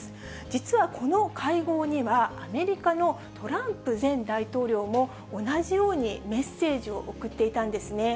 実はこの会合には、アメリカのトランプ前大統領も同じようにメッセージを送っていたんですね。